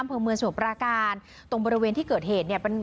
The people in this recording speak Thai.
อำเภอเมืองสมุทราการตรงบริเวณที่เกิดเหตุเนี่ยเป็น